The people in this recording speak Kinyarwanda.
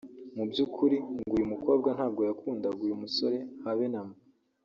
Mu by’ukuri ngo uyu mukobwa ntabwo yakundaga uyu musore habe na mba